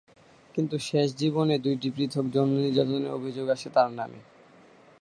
কিন্তু শেষ জীবনে দুইটি পৃথক যৌন নির্যাতনের অভিযোগ আসে তার নামে।